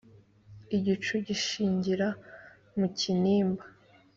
igicu gishingira mu kinimba